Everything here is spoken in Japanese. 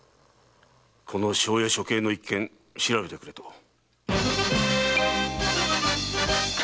この庄屋処刑の一件調べてくれと。